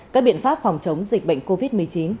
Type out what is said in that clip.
các biện pháp phòng chống dịch bệnh covid một mươi chín